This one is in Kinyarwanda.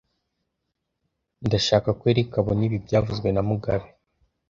Ndashaka ko Eric abona ibi byavuzwe na mugabe